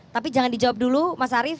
tapi jangan dijawab dulu mas arief